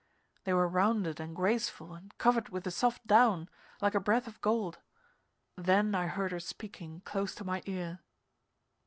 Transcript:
They were rounded and graceful and covered with a soft down, like a breath of gold. Then I heard her speaking close to my ear.